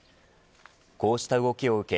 こうした動きを受け